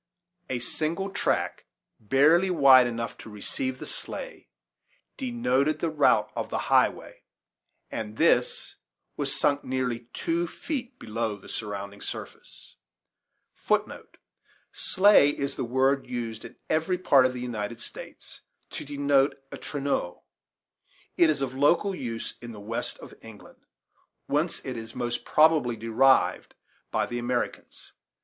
A single track, barely wide enough to receive the sleigh, * denoted the route of the highway, and this was sunk nearly two feet below the surrounding surface. * Sleigh is the word used in every part of the United States to denote a traineau. It is of local use in the west of England, whence it is most probably derived by the Americans.